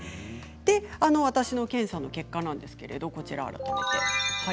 私の検査の結果なんですけれどもこちらです。